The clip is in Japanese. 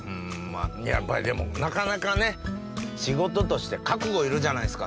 やっぱりでもなかなかね仕事として覚悟いるじゃないですか？